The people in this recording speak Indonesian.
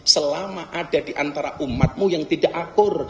selama ada diantara umatmu yang tidak akur